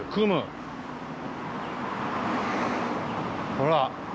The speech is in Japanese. ほら。